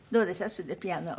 それでピアノは。